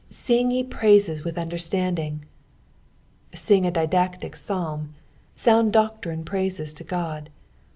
" Sing ye praieei with wderttanding." Bing a didactic Psalm. Sound doctrine praises God.